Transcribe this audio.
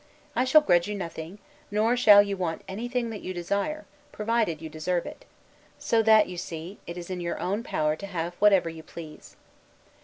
I shall grudge you nothing, nor shall you want anything that you desire, provided you deserve it; so that you see, it is in your own power to have whatever you please.